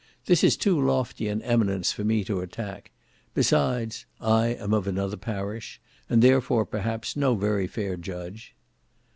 This is too lofty an eminence for me to attack; besides, "I am of another parish," and therefore, perhaps, no very fair judge.